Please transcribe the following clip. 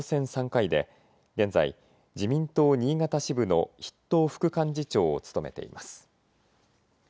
３回で、現在自民党新潟支部の筆頭副幹事長を務めています。